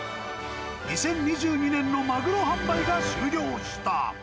２０２２年のマグロ販売が終了した。